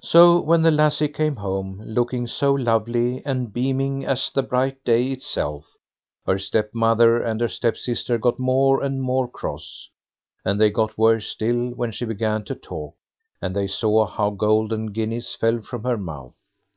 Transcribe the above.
So when the lassie came home looking so lovely, and beaming as the bright day itself, her stepmother and her stepsister got more and more cross, and they got worse still when she began to talk, and they saw how golden guineas fell from her mouth.